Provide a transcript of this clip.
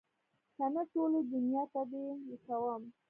که نه ټولې دونيا ته دې لوڅوم.